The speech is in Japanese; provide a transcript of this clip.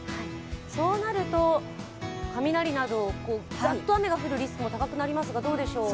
そうなると、雷など、ざっと雨が降るリスクも高くなりますが、どうでしょう。